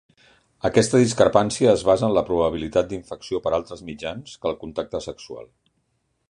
Aquesta discrepància es basa en la probabilitat d'infecció per altres mitjans que el contacte sexual.